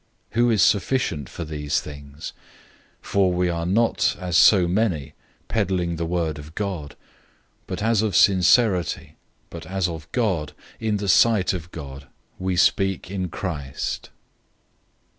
Who is sufficient for these things? 002:017 For we are not as so many, peddling the word of God. But as of sincerity, but as of God, in the sight of God, we speak in Christ.